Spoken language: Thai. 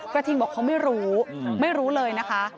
ทิงบอกเขาไม่รู้ไม่รู้เลยนะคะ